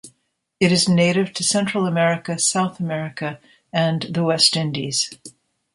It is native to Central America, South America, and the West Indies.